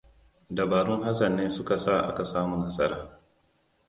Dabarun Hassan ne suka sa aka samu nasara.